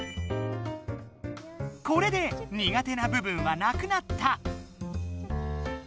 これで苦手な部分はなくなった！